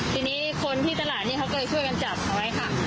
ทีนี้คนที่ตลาดนี้เขาก็เลยช่วยกันจับเอาไว้ค่ะ